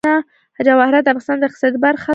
جواهرات د افغانستان د اقتصاد برخه ده.